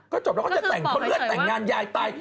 ก็ยายเขาตายเลือดแต่งงาน